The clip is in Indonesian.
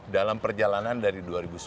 dalam perjalanan dari dua ribu sebelas